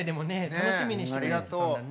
楽しみにしてくれてたんだね。